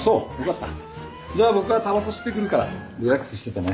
じゃあ僕はたばこ吸ってくるからリラックスしててね。